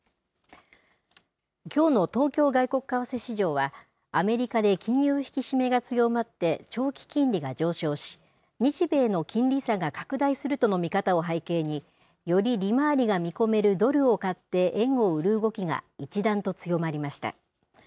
きょうの東京外国為替市場は、アメリカで金融引き締めが強まって長期金利が上昇し、日米の金利差が拡大するとの見方を背景に、より利回りが見込めるドルを買って円を売る動きが一段と強まりました。